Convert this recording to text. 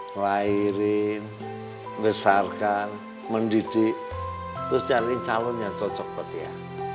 ngelahirin besarkan mendidik terus cariin calon yang cocok buat dia